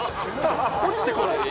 落ちてこない？